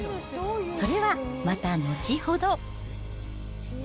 それはまた後ほど。